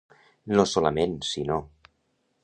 No solament... sinó.